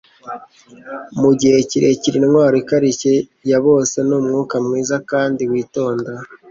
Mu gihe kirekire, intwaro ikarishye ya bose ni umwuka mwiza kandi witonda.”